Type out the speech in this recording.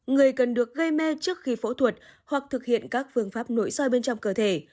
người cần được gây mê trước khi phẫu thuật hoặc thực hiện các phương pháp nội soi bên trong cơ thể